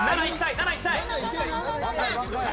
７いきたい。